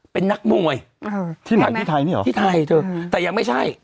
เป็นนักม่วยอ่าที่ไหนที่ไทยนี่หรอที่ไทยจริงแต่ยังไม่ใช่